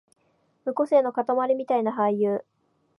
無個性のかたまりみたいな俳優